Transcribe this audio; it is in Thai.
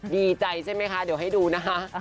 ดีใจใช่ไหมคะเดี๋ยวให้ดูนะคะ